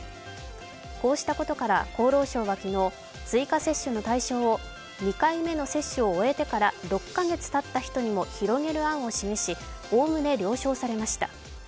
こうしたことから、厚労省は昨日追加接種の対象を２回目の接種を終えてから６カ月たった人にも広げる案を示し、おおむね了承されました。